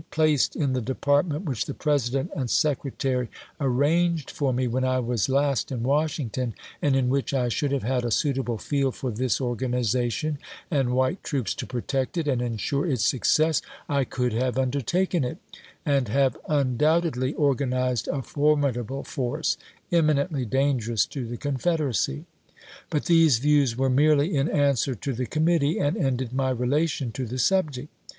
placed in the Department whieli the President and Secre tary arranged for me when I was last in Washington, and in which I should have had a suitable field for this organization and white troops to protect it and insure its success, I could have undertaken it, and have undoubt edly organized a formidable force imminently dangerous to the Confederacy, But these views were merely in answer to the committee, and ended my relation to the subject.